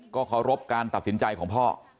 เคารพการตัดสินใจของพ่อ